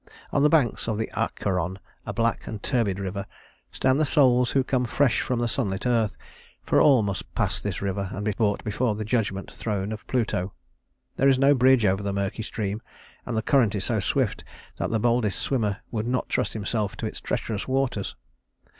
On the banks of the Acheron, a black and turbid river, stand the souls who come fresh from the sunlit earth; for all must pass this river and be brought before the judgment throne of Pluto. There is no bridge over the murky stream, and the current is so swift that the boldest swimmer would not trust himself to its treacherous waters.